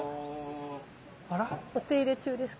お手入れ中ですか？